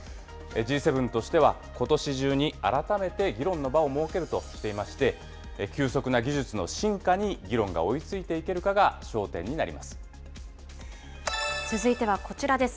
Ｇ７としては、ことし中に改めて議論の場を設けるとしていまして、急速な技術の進化に議論が追いつ続いてはこちらです。